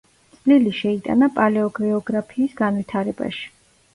წვლილი შეიტანა პალეოგეოგრაფიის განვითარებაში.